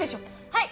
はい！